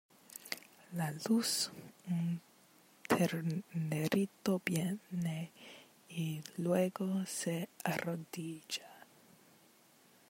La luz; un ternerito viene, y luego se arrodilla.